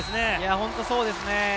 本当そうですね。